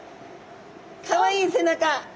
かわいい背中。